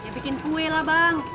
bikin kue lah bang